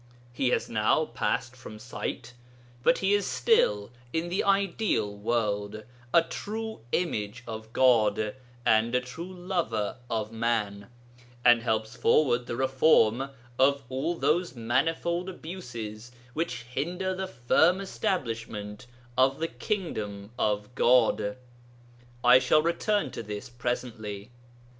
He has now passed from sight, but he is still in the ideal world, a true image of God and a true lover of man, and helps forward the reform of all those manifold abuses which hinder the firm establishment of the kingdom of God. I shall return to this presently.